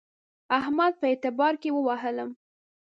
احمد په اعتبار کې ووهلم.